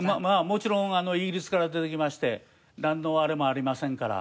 もちろんイギリスから出てきましてなんのあれもありませんから。